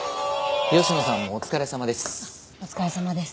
吉野さんもお疲れさまです。